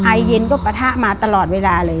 ไอเย็นก็ปะทะมาตลอดเวลาเลย